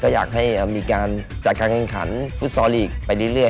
อยากให้มีการจัดการแข่งขันฟุตซอลลีกไปเรื่อย